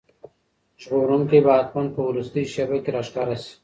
ژغورونکی به حتماً په وروستۍ شېبه کې راښکاره شي.